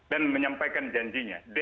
dan menyampaikan janjinya